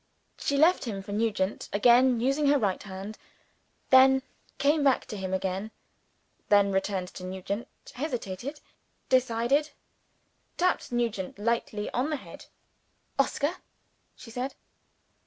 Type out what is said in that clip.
She left him for Nugent; again using her right hand then came back to him again then returned to Nugent hesitated decided tapped Nugent lightly on the head. "Oscar!" she said.